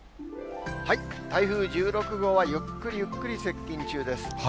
台風１６号はゆっくりゆっくり接近中です。